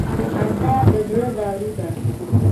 • خندا د زړه دارو ده.